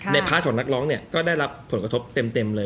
พาร์ทของนักร้องเนี่ยก็ได้รับผลกระทบเต็มเลย